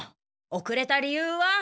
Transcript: おくれた理由は？